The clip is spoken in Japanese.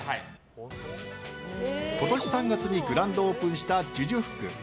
今年３月にグランドオープンした寿々福。